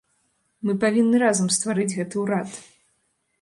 Мы павінны разам стварыць гэты ўрад.